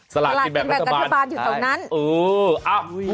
สล๘๐๐กับคัตบาลอยู่ตรงนั้น